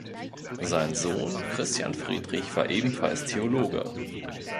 Sein Sohn Christian Friedrich war ebenfalls Theologe.